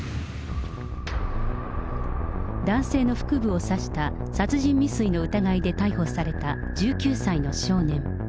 男性の腹部を刺した殺人未遂の疑いで逮捕された、１９歳の少年。